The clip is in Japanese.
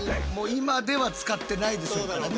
今では使ってないでしょうからね。